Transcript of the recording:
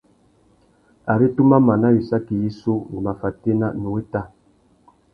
Ari tu má mana wissaki yissú, ngu má fatēna, nnú wéta.